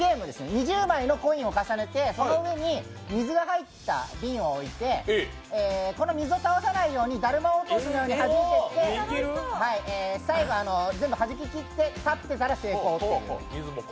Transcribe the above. ２０枚のコインを重ねてその上に水が入った瓶を置いて、この水を倒さないようにだるま落としのようにはじいて最後、全部はじききって、立ってたら成功っていう。